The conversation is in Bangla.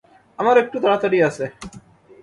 আমার একটু তাড়াতাড়ি আছে।